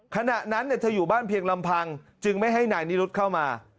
ขณะนั้นเธออยู่บ้านเพียงลำพังจึงไม่ให้นายนิรุธเข้ามา